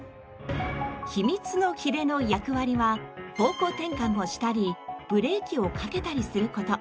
秘密のヒレの役割は方向転換をしたりブレーキをかけたりする事。